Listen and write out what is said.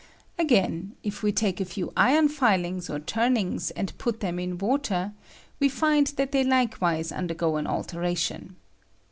Again, if we take a few iron igs or turnings and put them in water, we ' find that they likewise undergo an alteration.